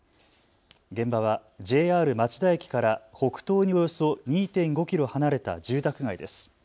現場はＪＲ町田駅から北東におよそ２．５キロ離れた住宅街です。